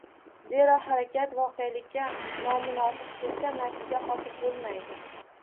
Zero harakat voqelikka nomuvofiq kelsa natija hosil bo‘lmaydi.